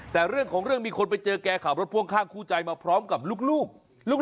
แต่เรื่องของเรื่องมีคนไปเจอแกขับรถพ่วงข้างคู่ใจมาพร้อมกับลูก